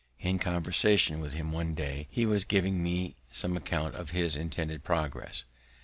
In conversation with him one day, he was giving me some account of his intended progress.